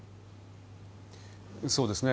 そうですね。